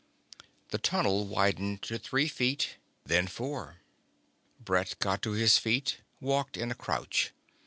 The tunnel widened to three feet, then four. Brett got to his feet, walked in a crouch.